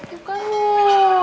ya bukan lo